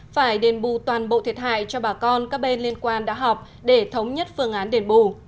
phải đền bù toàn bộ thiệt hại cho bà con các bên liên quan đã họp để thống nhất phương án đền bù